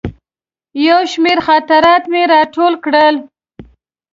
یو شمېر خاطرات مې راټول کړل.